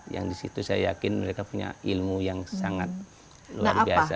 yang disitu saya yakin mereka punya ilmu yang sangat luar biasa